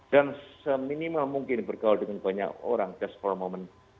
dan seminimal mungkin berkawal dengan banyak orang just for a moment